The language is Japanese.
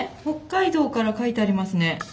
北海道から書いてありますね。